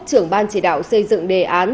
trưởng ban chỉ đạo xây dựng đề án